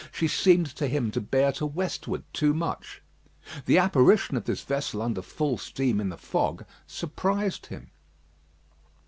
She seemed to him to bear to westward too much. The apparition of this vessel under full steam in the fog surprised him.